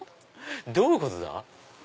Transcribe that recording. どういうことだ？